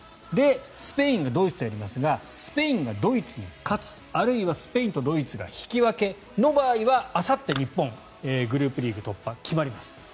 スペインがドイツとやりますがスペインがドイツに勝つあるいはスペインとドイツが引き分けの場合はあさって日本グループリーグ突破決まります。